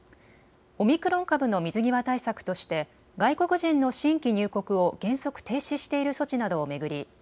オミクロン株の水際対策として外国人の新規入国を原則停止している措置などを巡り